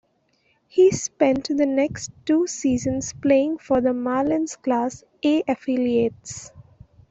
He spent the next two seasons playing for the Marlins class-A affiliates.